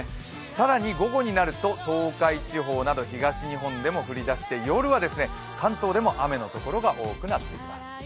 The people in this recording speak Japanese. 更に午後になってくると東海地方など東日本でも降り出して夜は関東でも雨の所が多くなってきます。